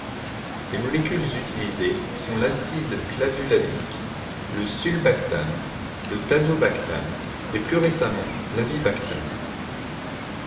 Les molécules utilisées sont l'acide clavulanique, le sulbactam, le tazobactam et plus récemment l'avibactam.